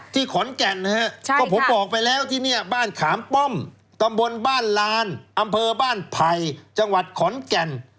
ขอนแก่นนะฮะก็ผมบอกไปแล้วที่นี่บ้านขามป้อมตำบลบ้านลานอำเภอบ้านไผ่จังหวัดขอนแก่น